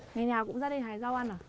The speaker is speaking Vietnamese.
ngày nào cũng ra đây hái rau ăn à